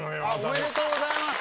おめでとうございます！